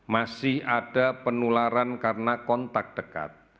masih ada penularan karena kontak dekat